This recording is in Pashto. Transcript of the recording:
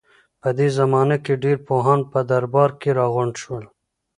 په دې زمانه کې ډېر پوهان په درباره کې راغونډ شول.